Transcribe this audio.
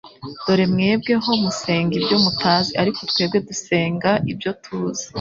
Dore mwebwe ho musenga ibyo mutazi, ariko twebwe dusenga ibyo tuzi,